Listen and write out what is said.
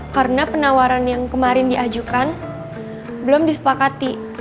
karena penawaran yang kemarin diajukan belum disepakati